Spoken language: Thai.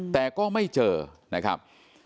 แต่ก็ไม่เจอนะครับ